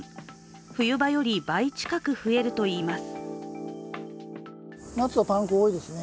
冬場より倍近く増えるといいます。